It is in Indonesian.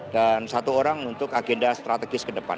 dan satu orang untuk agenda strategis ke depan